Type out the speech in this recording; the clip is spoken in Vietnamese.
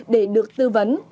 để được tư vấn